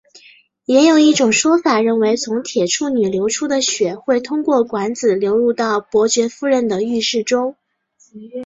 也有一种说法认为从铁处女流出的血会通过管子流入到伯爵夫人的浴室中。